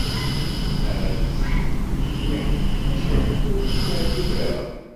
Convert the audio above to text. Ahat-tt melliḥet, maca nekk ur yi-teεǧib ara.